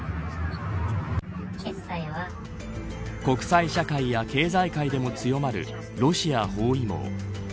国際社会や経済界でも強まるロシア包囲網。